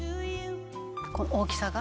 「この大きさが？」